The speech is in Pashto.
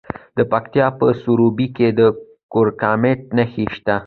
د پکتیکا په سروبي کې د کرومایټ نښې شته.